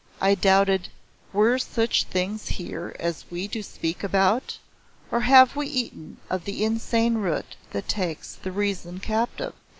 I doubted "Were such things here as we do speak about? Or have we eaten of the insane root That takes the reason captive?"